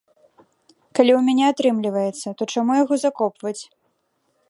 Калі ў мяне атрымліваецца, то чаму яго закопваць?